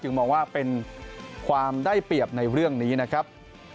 มองว่าเป็นความได้เปรียบในเรื่องนี้นะครับ